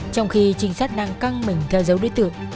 trong khi trinh sát đang căng mình theo dấu đối tượng